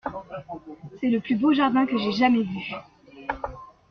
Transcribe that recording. C’est le plus beau jardin que j’aie jamais vu.